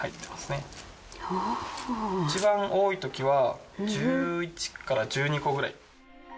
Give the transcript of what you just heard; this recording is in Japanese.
いちばん多いときは１１から１２個くらい。